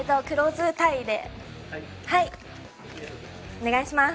お願いします！